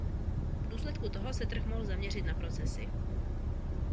V důsledku toho se trh mohl zaměřit na procesory.